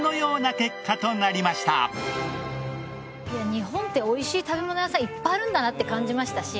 日本って美味しい食べ物屋さんいっぱいあるんだなって感じましたし。